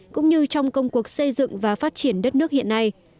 cũng như trong công cuộc xây dựng và phát triển đất nước hiện nay